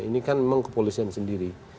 ini kan memang kepolisian sendiri